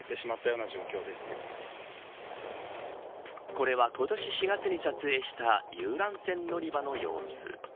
これは、今年４月に撮影した遊覧船乗り場の様子。